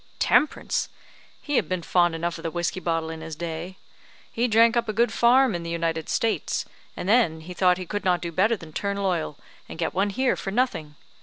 "Temperance! He had been fond enough of the whiskey bottle in his day. He drank up a good farm in the United States, and then he thought he could not do better than turn loyal, and get one here for nothing.